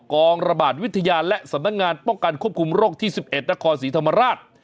กองระบาดวิทยาและสำนักงานป้องกันควบคุมโรคที่๑๑นครศรีธรรมราช